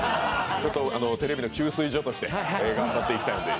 テレビの給水所として頑張っていきたいので。